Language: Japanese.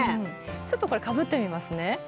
ちょっとこれかぶってみますね。